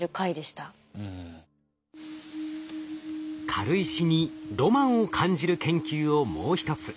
軽石にロマンを感じる研究をもう一つ。